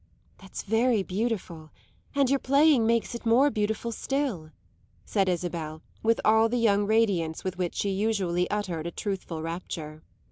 "That's very beautiful, and your playing makes it more beautiful still," said Isabel with all the young radiance with which she usually uttered a truthful rapture.